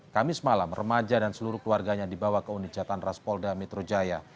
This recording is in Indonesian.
kamis malam remaja dan seluruh keluarganya dibawa ke unit jatan ras polda metro jaya